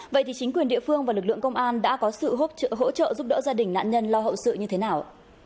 vậy thì chính quyền địa phương và lực lượng công an đã có sự hỗ trợ giúp đỡ gia đình nạn nhân lo hậu sự như thế nào